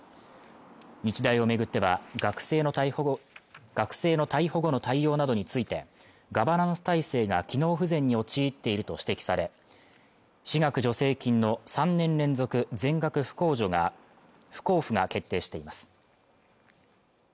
日大をめぐっては学生の逮捕後の対応などについてガバナンス体制が機能不全に陥っていると指摘され私学助成金の３年連続全額不交付が決定しています